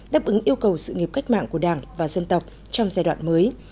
đáp ứng yêu cầu sự nghiệp cách mạng của đảng và dân tộc trong giai đoạn mới